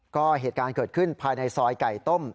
ก็เหตุการณ์เกิดขึ้นภายในซอยไก่ต้ม